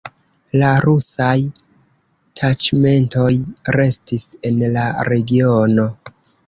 La rusaj taĉmentoj restis en la regiono.